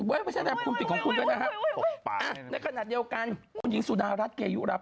บอกก่อนนะครับคุณปิดสันดารณ์นี่ไม่ใช่นะครับ